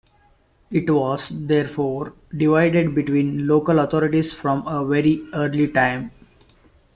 It was therefore divided between local authorities from a very early time.